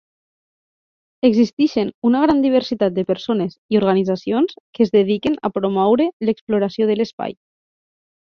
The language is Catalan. Existeixen una gran diversitat de persones i organitzacions que es dediquen a promoure l'exploració de l'espai.